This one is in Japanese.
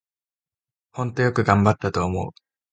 ほんとよく頑張ったと思う